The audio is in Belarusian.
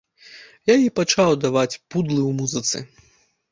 Я і пачаў даваць пудлы ў музыцы.